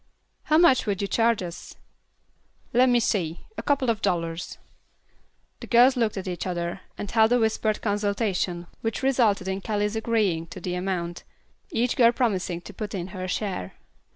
"How much would you charge us?" "Lemme see; a couple of dollars." The girls looked at each other, and held a whispered consultation which resulted in Callie's agreeing to the amount, each girl promising to put in her share.